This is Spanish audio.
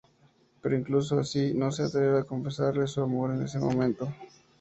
Pero, incluso así, no se atreve a confesarle su amor en ese momento.